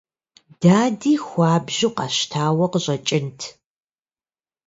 Дади хуабжьу къэщтауэ къыщӀэкӀынт.